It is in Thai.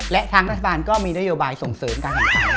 และทางรัฐบาลก็มีนโยบายส่งเสริมการแข่งขัน